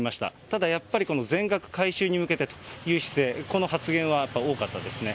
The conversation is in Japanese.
ただやっぱりこの全額回収に向けてという姿勢、この発言はやっぱり多かったですね。